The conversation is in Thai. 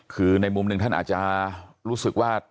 คือในมุมหนึ่งท่านอาจจะรู้สึกว่า